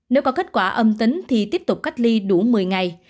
nếu có kết quả âm tính thì tiếp tục cách ly đủ một mươi ngày